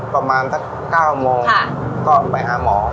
ประมาณถ้าเก้าโมงก็ไปหาหมอ